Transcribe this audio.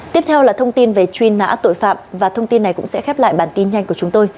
tiếp theo là thông tin về truy nã tội phạm và thông tin này cũng sẽ khép lại bản tin nhanh của chúng tôi